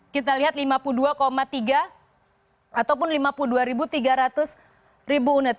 kita lihat lima puluh dua tiga ataupun lima puluh dua tiga ratus unit